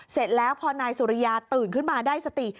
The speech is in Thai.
เสร็จแล้วพอนายสุริยาตื่นขึ้นมาได้สติ